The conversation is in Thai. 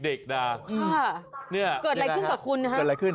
เกิดอะไรขึ้นกับคุณ